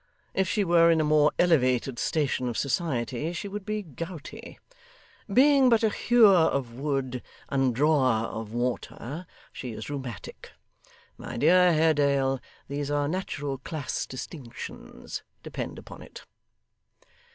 If she were in a more elevated station of society, she would be gouty. Being but a hewer of wood and drawer of water, she is rheumatic. My dear Haredale, these are natural class distinctions, depend upon it.